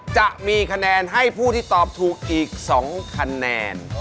จะมีคะแนนให้ผู้ที่ตอบถูกอีก๒คะแนน